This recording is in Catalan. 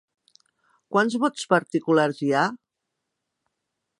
Quants vots particulars hi ha?